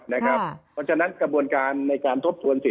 เพราะฉะนั้นกระบวนการในการทบทวนสิท